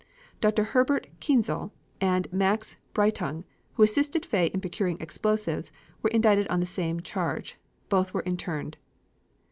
Dr. Herbert Kienzle and Max Breitung, who assisted Fay in procuring explosives, were indicted on the same charge. Both were interned.